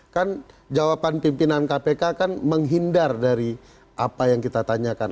kan jawaban pimpinan kpk kan menghindar dari apa yang kita tanyakan